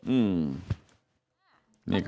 อือ